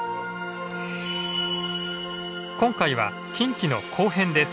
今回は近畿の後編です。